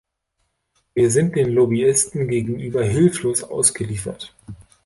Wir sind den Lobbyisten gegenüber hilflos ausgeliefert.